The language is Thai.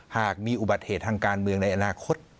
หากมีอุบัติเหตุทางการเมืองในอนาคต